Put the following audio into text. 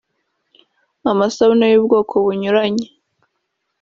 amasabune y’ubwoko bunyuranye